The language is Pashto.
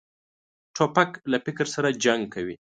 توپک له فکر سره جنګ کوي.